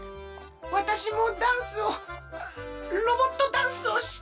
わたしもダンスをロボットダンスをしてみたい。